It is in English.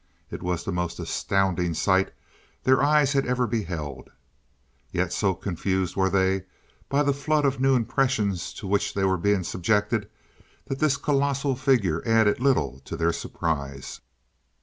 It was the most astounding sight their eyes had ever beheld; yet so confused were they by the flood of new impressions to which they were being subjected that this colossal figure added little to their surprise.